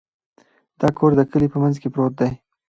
دا کور د کلي په منځ کې پروت دی.